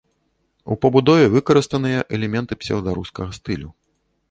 У пабудове выкарыстаныя элементы псеўдарускага стылю.